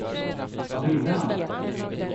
Vad ville han?